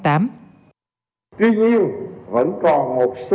tuy nhiên vẫn còn một số